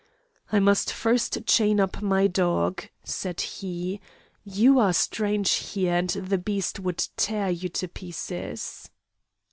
'I must first chain up my dog,' said he, 'you are strange here, and the beast would tear you to pieces.